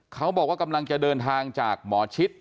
เขาบอกว่ากำลังจะเดินทางจากหมอชิด